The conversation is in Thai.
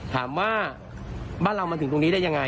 ถามว่าบ้านเรามาถึงตรงนี้ได้ยังไง